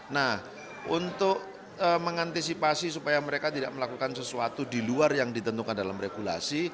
nah untuk mengantisipasi supaya mereka tidak melakukan sesuatu di luar yang ditentukan dalam regulasi